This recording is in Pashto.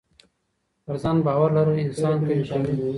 پر ځان باور لرل انسان قوي کوي.